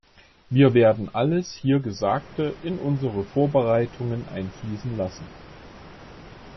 Wir werden alles hier Gesagte in unsere Vorbereitungen einfließen lassen.